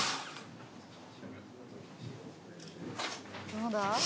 どうだ？